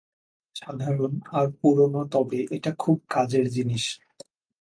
সাধারণ আর পুরোনো তবে এটা খুব কাজের জিনিস।